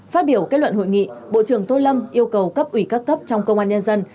phát biểu kết luận hội nghị bộ trưởng tô lâm yêu cầu cấp ủy các cấp trong công an nhân dân